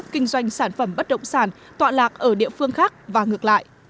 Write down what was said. kinh doanh sản phẩm bất động sản tọa lạc ở địa phương khác và ngược lại